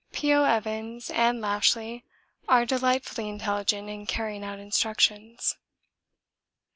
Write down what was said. P.O. Evans and Lashly are delightfully intelligent in carrying out instructions.